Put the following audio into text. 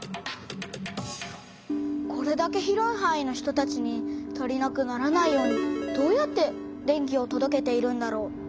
これだけ広いはんいの人たちに足りなくならないようにどうやって電気をとどけているんだろう？